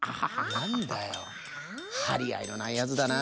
なんだよはりあいのないやつだな。